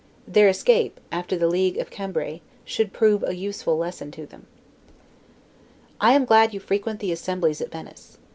Their escape, after the Ligue of Cambray, should prove a useful lesson to them. I am glad you frequent the assemblies at Venice.